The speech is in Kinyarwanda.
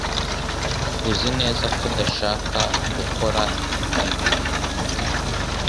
Uzi neza ko udashaka gukora ibi